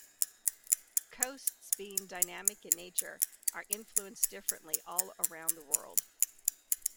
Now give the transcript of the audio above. Coasts being dynamic in nature are influenced differently all around the world.